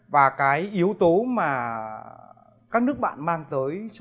và cái yếu tố mà các nước bạn mang tới cho